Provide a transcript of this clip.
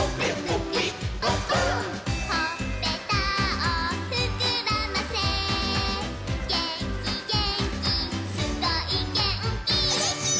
「ほっぺたをふくらませ」「げんきげんき」「すごいっげんき」うれしいよ！